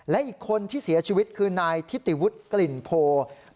และอีกคนที่เสียชีวิตคือนายทิติวุฒิกลิ่นโพ